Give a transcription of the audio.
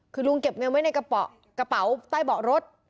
คือลุงเก็บเงินไว้ในกระเป๋ากระเป๋าใต้เบาะรถ